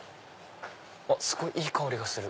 すごいいい香りがする！